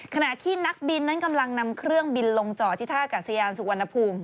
ขณะที่นักบินนั้นกำลังนำเครื่องบินลงจอดที่ท่ากาศยานสุวรรณภูมิ